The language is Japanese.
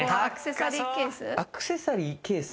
アクセサリーケース。